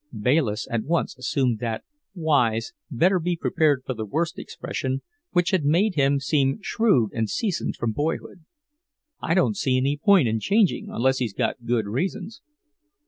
Bayliss at once assumed that wise, better be prepared for the worst expression which had made him seem shrewd and seasoned from boyhood. "I don't see any point in changing unless he's got good reasons."